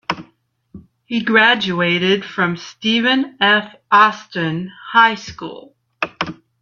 He graduated from Stephen F. Austin High School.